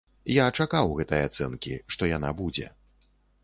Я чакаў гэтай ацэнкі, што яна будзе.